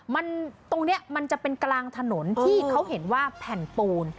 มันตรงนี้มันจะเป็นกลางถนนที่เขาเห็นว่าแผ่นปูน